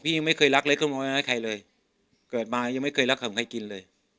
ยังไม่เคยรักเล็กขโมยน้อยใครเลยเกิดมายังไม่เคยรักของใครกินเลย